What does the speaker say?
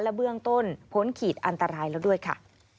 เบื้องต้นพ้นขีดอันตรายแล้วด้วยค่ะ